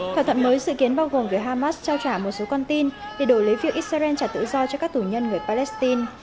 thỏa thuận mới dự kiến bao gồm việc hamas trao trả một số con tin để đổi lấy việc israel trả tự do cho các tù nhân người palestine